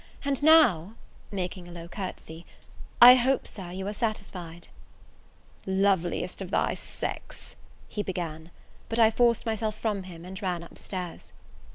And now," making a low courtesy, "I hope, Sir, you are satisfied." "Loveliest of thy sex " he began; but I forced myself from him and ran upstairs.